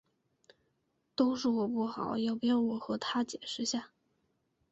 都是我不好，要不要我和她解释下？